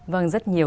vâng rất nhiều